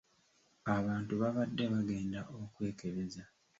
Abantu babadde bagenda okwekebeza.